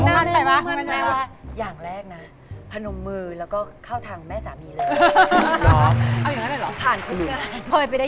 อุ๊ยหน้าแม่มุ่งมันมากนะ